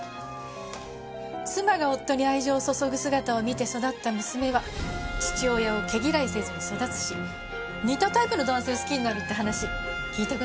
妻が夫に愛情を注ぐ姿を見て育った娘は父親を毛嫌いせずに育つし似たタイプの男性を好きになるって話聞いた事ない？